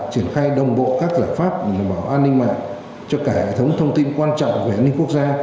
triển khai đồng bộ các giải pháp đảm bảo an ninh mạng cho cả hệ thống thông tin quan trọng về an ninh quốc gia